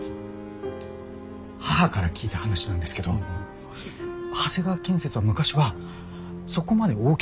母から聞いた話なんですけど長谷川建設は昔はそこまで大きな会社ではなくて。